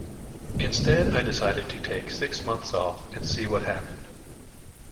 Instead I decided to take six months off and see what happened.